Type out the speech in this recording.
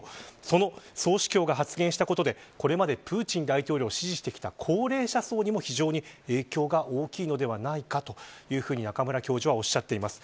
その総主教が発言したことでこれまでプーチン大統領を支持してきた高齢者層にも非常に影響が大きいのではないかというふうに中村教授はおっしゃっています。